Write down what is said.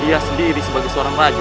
ia sendiri sebagai seorang raja